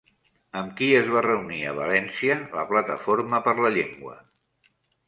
Amb qui es van reunir a València la Plataforma per la Llengua?